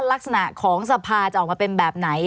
ลักษณะของสภาจะออกมาเป็นแบบไหน